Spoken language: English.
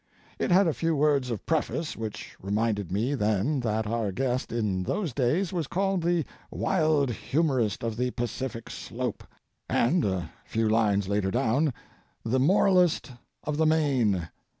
It had a few words of preface which reminded me then that our guest in those days was called 'the wild humorist of the Pacific slope,' and a few lines later down, 'the moralist of the Main.'